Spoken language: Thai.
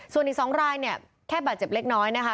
ส่วนอีก๒รายเนี่ยแค่บาดเจ็บเล็กน้อยนะคะ